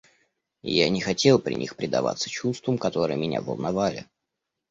Я не хотел при них предаваться чувствам, которые меня волновали.